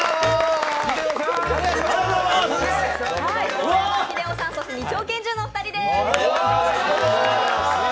大山英雄さんそして２丁拳銃のお二人です。